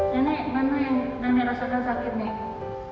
nenek mana yang rasakan sakit nek